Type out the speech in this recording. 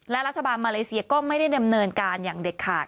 และรัฐบาลมาเลเซียก็ไม่ได้ดำเนินการอย่างเด็ดขาด